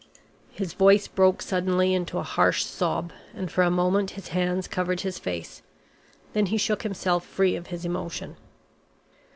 His voice broke suddenly into a harsh sob, and for a moment his hands covered his face. Then he shook himself free of his emotion.